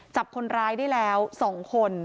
จับคนร้ายได้แล้ว๒คน